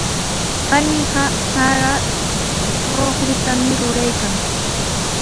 Paniiqa sara luqrutami ruraykan.